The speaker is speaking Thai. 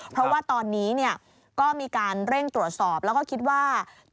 เพราะว่าตอนนี้ก็มีการเร่งตรวจสอบแล้วก็คิดว่า